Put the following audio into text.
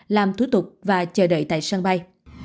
làm thủ tục và chờ đợi tại sân bay